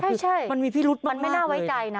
ใช่มันมีพิรุธมากเลยนะครับมันไม่น่าไว้ใจนะ